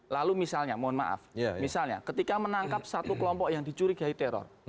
lalu misalnya mohon maaf misalnya ketika menangkap satu kelompok yang dicurigai teror